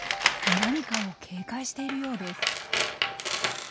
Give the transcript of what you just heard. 何かを警戒しているようです。